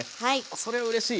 それうれしい。